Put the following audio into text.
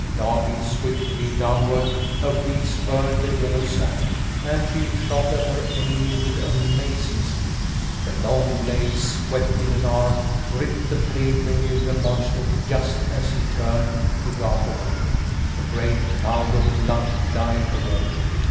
Darting swiftly downward her feet spurned the yellow sand, and she shot at her enemy with amazing speed. The long blade swept in an arc, ripped the pale belly of the monster just as he turned to dart away. A great cloud of blood dyed the water.